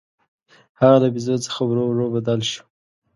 هغه له بیزو څخه ورو ورو بدل شو.